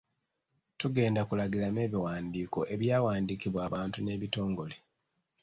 Tugenda kulagiramu ebiwandiiko ebyawandiikibwa abantu n’ebitongole.